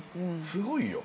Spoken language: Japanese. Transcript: すごいよ。